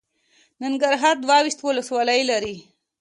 ننګرهار دوه ویشت ولسوالۍ لري.